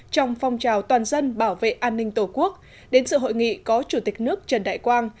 trong phong trào toàn dân bảo vệ an ninh tổ quốc đến sự hội nghị có chủ tịch nước trần đại quang